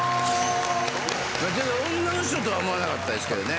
女の人とは思わなかったけどね。